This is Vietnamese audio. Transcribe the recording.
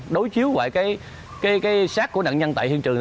đối chiếu với sát của nạn nhân tại hiện trường